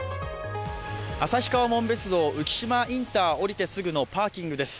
旭川・紋別道、浮島インター、降りてすぐのパーキングです。